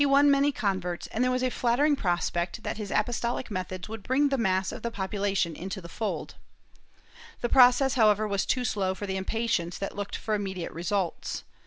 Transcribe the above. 320 MOEJSCOS [Book VIII many converts and there was a flattering prospect that his apostolic methods would bring the mass of the population into the fold/ The process however was too slow for the impatience that looked for immediate results.